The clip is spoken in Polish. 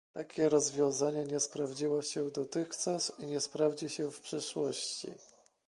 Takie rozwiązanie nie sprawdziło się dotychczas i nie sprawdzi się w przyszłości